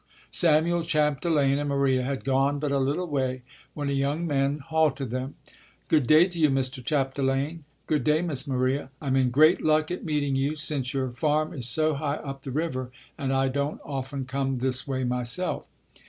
Samuel Chapdelaine and Maria had gone but a little way when a young man halted them. "Good day to you, Mr. Chapdelaine. Good day, Miss Maria. I am in great luck at meeting you, since your farm is so high up the river and I don't often come this way myself."